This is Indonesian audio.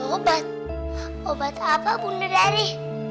obat obat apa bunda dari